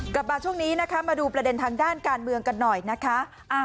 กลับมาช่วงนี้นะคะมาดูประเด็นทางด้านการเมืองกันหน่อยนะคะ